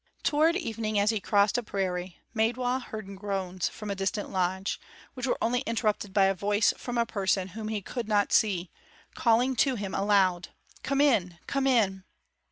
Toward evening as he crossed a prairie, Maidwa heard groans from a distant lodge, which were only interrupted by a voice from a person whom he could not see, calling to him aloud: "Come in! come in!"